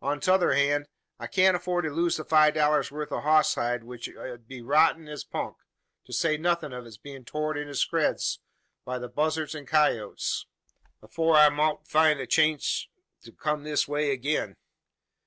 On the t'other hand, I kan't afford to lose the five dollars' worth o' hoss hide which ud be rotten as punk to say nuthin' o' it's bein' tored into skreeds by the buzzarts and coyoats afore I mout find a chance to kum this way agin."